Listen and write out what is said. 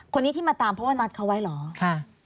คนนี้ที่มาตามเพราะว่านัดเขาไว้เหรอ